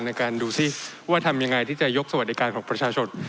ในการดูสิว่าทำยังไงที่จะยกสวัสดิการของประชาชน